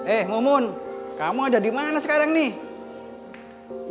eh mumun kamu ada dimana sekarang nih